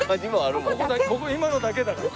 今のだけだから。